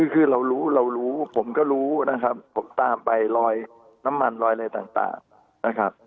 คือเรารู้เรารู้ผมก็รู้นะครับผมตามไปรอยน้ำมันลอยอะไรต่างนะครับ